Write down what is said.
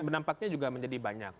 menampaknya juga menjadi banyak